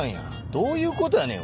どういうことやねん？